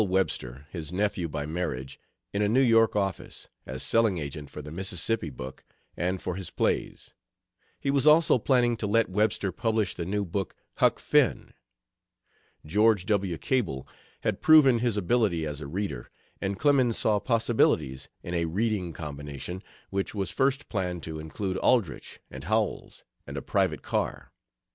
Webster, his nephew by marriage, in a New York office, as selling agent for the Mississippi book and for his plays. He was also planning to let Webster publish the new book, Huck Finn. George W. Cable had proven his ability as a reader, and Clemens saw possibilities in a reading combination, which was first planned to include Aldrich, and Howells, and a private car.